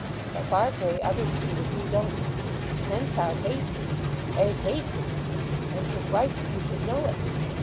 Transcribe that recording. "But, Farfrae, others see what you don't. Henchard hates 'ee—ay, hates 'ee; and 'tis right that you should know it.